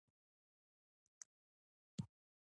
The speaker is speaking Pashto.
افغانستان د خاورې په اړه مشهور او لرغوني تاریخی روایتونه لري.